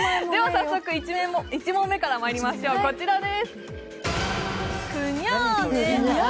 早速、１問目からまいりましょう、こちらです。